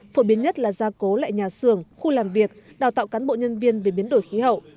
phổ biến nhất là gia cố lại nhà xưởng khu làm việc đào tạo cán bộ nhân viên về biến đổi khí hậu